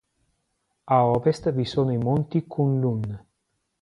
A ovest vi sono i monti Kunlun.